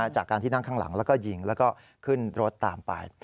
จากการที่นั่งข้างหลังแล้วก็ยิงแล้วก็ขึ้นรถตามไป